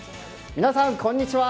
皆さん、こんにちは。